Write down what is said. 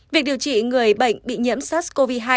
việc điều trị người bệnh bị nhiễm sars cov hai